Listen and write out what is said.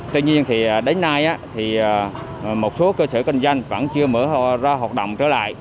tuy nhiên thì đến nay thì một số cơ sở kinh doanh vẫn chưa mở ra hoạt động trở lại